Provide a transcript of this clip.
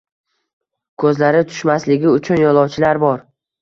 Ko’zlari tushmasligi uchun yo’lovchilar bor.